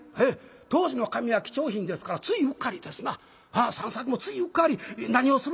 当時の紙は貴重品ですからついうっかりですな三作もついうっかり「何をする」